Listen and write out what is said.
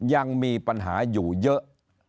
ยังมีปัญหาอยู่เยอะ